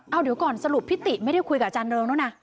เอาเดี๋ยวก่อนสรุปพิติไม่ได้คุยกับอาจารย์เริงแล้วนะ